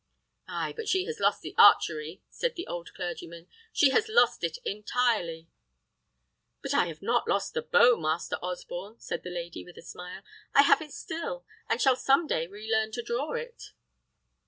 "Ay, but she has lost the archery," said the old clergyman. "She has lost it entirely." "But I have not lost the bow, Master Osborne," said the lady, with a smile: "I have it still, and shall some day relearn to draw it."